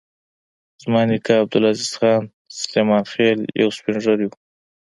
زما نیکه عبدالعزیز خان سلیمان خېل یو سپین ږیری و.